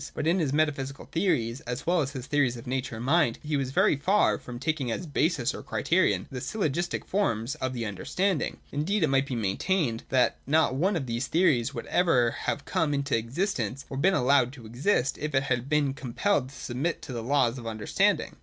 But in his metaphysical theories, as well as his theories of nature and mind, he was very far from taking as basis, or criterion, the syllogistic forms of the 'understanding.' Indeed it might be maintained that not one of these theories would ever have come into existence, or been allowed to exist, if it had been com pelled to submit to the laws of understanding.